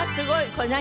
これ何？